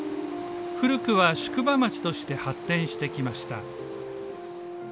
古くは宿場町として発展してきました。